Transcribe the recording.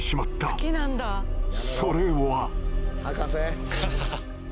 それは。